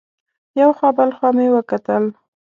یو خوا بل خوا مې وکتل.